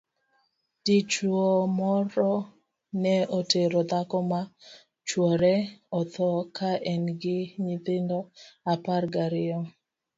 Dichwo moro ne otero dhako ma chwore otho ka en gi nyithindo apar gariyo.